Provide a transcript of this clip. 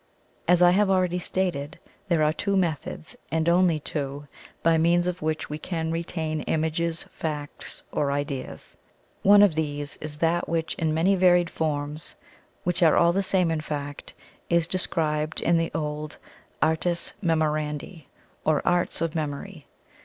As I have already stated, there are two methods, and only two, by means of which we can retain images, facts or ideas. One of these is that which in many varied forms, which are all the same in fact, is described in the old Artes Memorandi, or Arts of Memory.